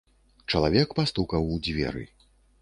Чалавек пастукаў у дзверы.